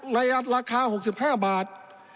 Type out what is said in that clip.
ราคา๖๕บาท